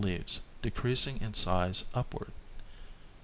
109 no leaves decreasing in size upward.